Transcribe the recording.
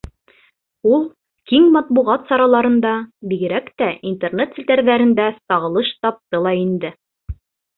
Ул киң матбуғат сараларында, бигерәк тә интернет селтәрҙәрендә сағылыш тапты ла инде.